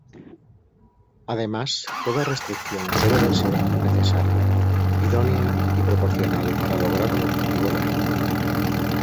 Además toda restricción debe ser necesaria, idónea y proporcional para lograr un objetivo legítimo.